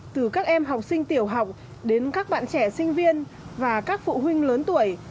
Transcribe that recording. từ các em học sinh tiểu học đến các bạn trẻ sinh viên và các phụ huynh lớn tuổi